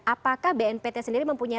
apakah bnpt sendiri mempunyai